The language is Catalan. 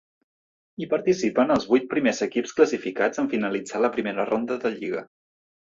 Hi participen els vuit primers equips classificats en finalitzar la primera ronda de lliga.